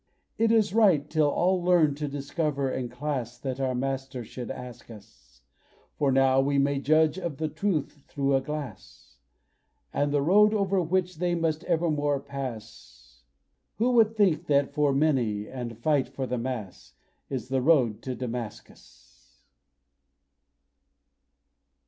It is right, till all learn to discover and class, That our Master should task us: For now we may judge of the Truth through a glass; And the road over which they must evermore pass, Who would think for the many, and fight for the mass, Is the road to Damascus.